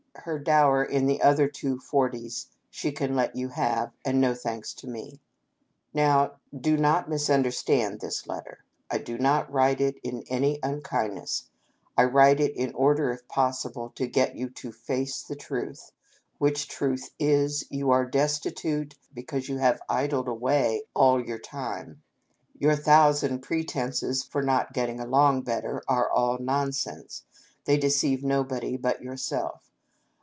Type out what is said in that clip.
Her dower in the other two forties she can let you have, and no thanks to me. " Now do not misunderstand this letter. I do not write it in any unkindness. I write it in oi der, if possible, to get you to face the truth, which truth is, you are destitute because you have idled away all your time. Your thousand pretences for not getting along better are all nonsense ; they deceive nobody but yourself.